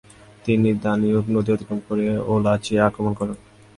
তিনি দানিউব নদী অতিক্রম করে ওয়ালাচিয়া আক্রমণ করেন।